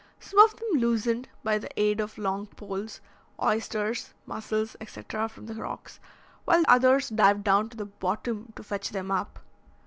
Some of them loosened, by the aid of long poles, oysters, mussels, etc., from the rocks, while others dived down to the bottom to fetch them up.